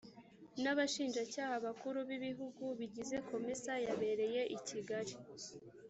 n abashinja cyaha bakuru b ibihugu bigize comesa yabereye i kigali